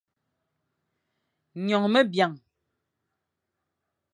Nyongh me biang.